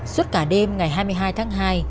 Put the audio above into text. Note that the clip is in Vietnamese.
suốt cả đêm ngày hai mươi hai tháng hai